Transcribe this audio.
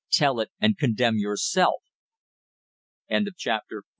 "Tell it, and condemn yourself." CHAPTER XV.